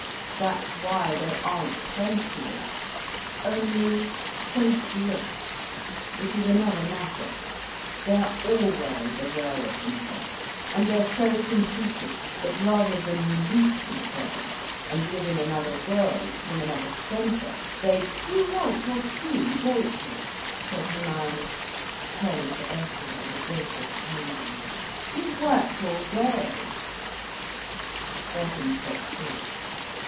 "That's why they aren't sensual—only sensuous—which is another matter. They're always aware of themselves—and they're so conceited, that rather than release themselves, and live in another world, from another centre, they'd—" "You want your tea, don't you," said Hermione, turning to Ursula with a gracious kindliness. "You've worked all day—" Birkin stopped short.